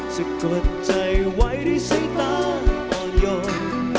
จะกดใจไว้ได้ใส่ตาอ่อนยอม